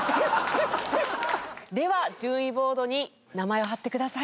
では順位ボードに名前を貼ってください。